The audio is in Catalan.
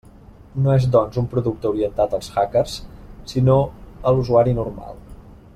No és doncs un producte orientat als hackers, sinó a l'usuari normal.